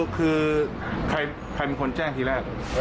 คือใครเป็นคนแจ้งทีแรก